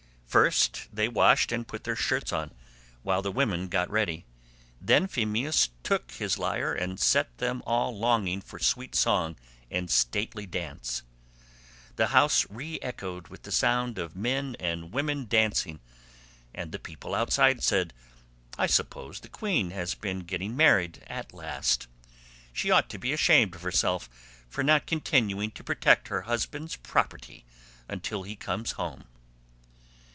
First they washed and put their shirts on, while the women got ready. Then Phemius took his lyre and set them all longing for sweet song and stately dance. The house re echoed with the sound of men and women dancing, and the people outside said, "I suppose the queen has been getting married at last. She ought to be ashamed of herself for not continuing to protect her husband's property until he comes home."